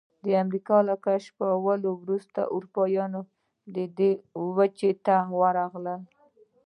د امریکا له کشفولو وروسته اروپایان دې وچې ته راغلل.